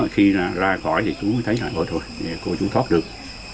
khi ra khỏi thì chú thấy là thôi thôi cô chú thoát được